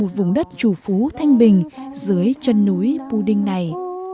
một vùng đất chủ phú thanh bình dưới chân núi pu đinh này